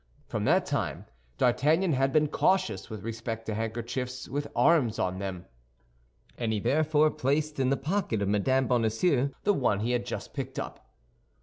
From that time, D'Artagnan had been cautious with respect to handkerchiefs with arms on them, and he therefore placed in the pocket of Mme. Bonacieux the one he had just picked up.